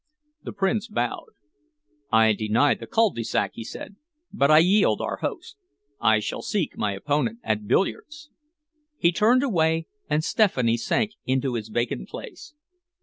The Prince bowed. "I deny the cul de sac," he said, "but I yield our host! I shall seek my opponent at billiards." He turned away and Stephanie sank into his vacant place.